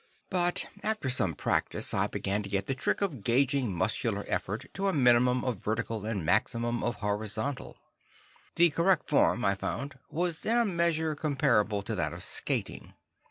But after some practice, I began to get the trick of gauging muscular effort to a minimum of vertical and a maximum of horizontal. The correct form, I found, was in a measure comparable to that of skating.